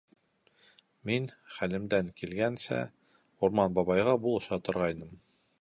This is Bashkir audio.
Мин, хәлемдән килгәнсә, Урман бабайға булыша торғайным.